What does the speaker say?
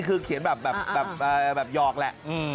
คือเขียนแบบหยอกแหละ